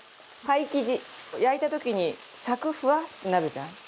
焼いた時にサクフワってなるじゃん。